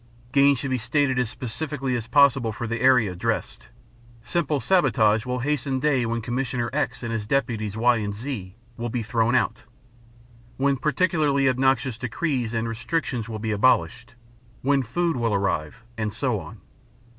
Gains should be stated as specifically as possible for the area addressed: simple sabotage will hasten the day when Commissioner X and his deputies Y and Z will be thrown out, when particularly obnoxious decrees and restrictions will be abolished, when food will arrive, and so on.